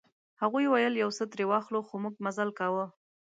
هغوی ویل چې یو څه ترې واخلو خو موږ مزل کاوه.